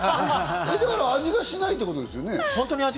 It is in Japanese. えっ、だから味がしないってことですよね？